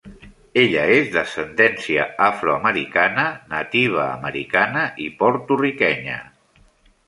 Ella és d'ascendència afroamericana, nativa americana i porto-riquenya.